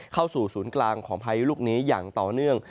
เข้าสู่ศูนย์กลางของพายุลูกนี้อย่างต่อเนื่อง